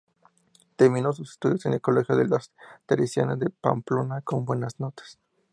Terminó sus estudios en el Colegio de las Teresianas de Pamplona con buenas notas.